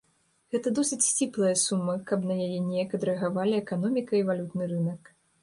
Гэта досыць сціплая сума, каб на яе неяк адрэагавалі эканоміка і валютны рынак.